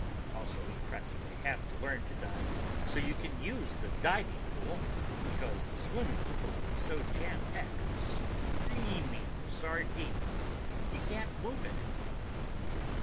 Also, you practically have to learn to dive so you can use the diving pool, because the swimming pool is so jam packed with screaming sardines you can't move in it.